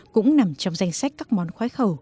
cũng nằm trong danh sách các món khoái khẩu